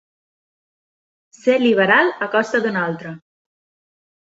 Ser liberal a costa d'un altre.